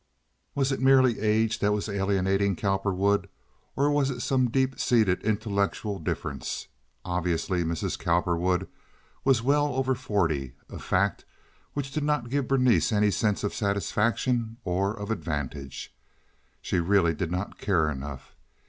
Was it merely age that was alienating Cowperwood, or was it some deep seated intellectual difference? Obviously Mrs. Cowperwood was well over forty—a fact which did not give Berenice any sense of satisfaction or of advantage. She really did not care enough.